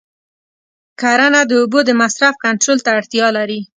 کرنه د اوبو د مصرف کنټرول ته اړتیا لري.